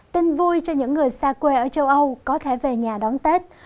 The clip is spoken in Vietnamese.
tin vui cho những người xa quê ở châu âu có thể về nhà đón tết